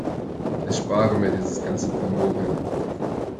Erspare mir dieses ganze Brimborium!